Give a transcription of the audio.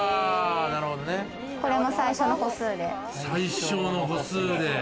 これも最小の歩数で。